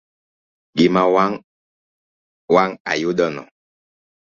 Gima wang ayudo no.